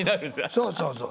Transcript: そうそうそう。